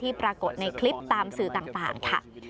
ปรากฏในคลิปตามสื่อต่างค่ะ